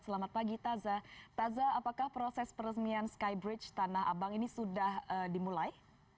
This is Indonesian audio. selamat pagi taza taza apakah proses peresmian skybridge tanah abang ini sudah dimulai